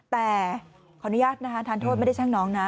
แต่ขออนุญาตนะคะทานโทษไม่ได้ช่างน้องนะ